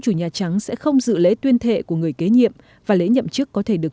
chủ nhà trắng sẽ không dự lễ tuyên thệ của người kế nhiệm và lễ nhậm chức có thể được